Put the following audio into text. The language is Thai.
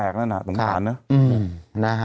หัวหัวแตกนะฮะสมคาญนะ